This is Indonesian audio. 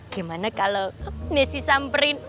gimana kalau messi samperin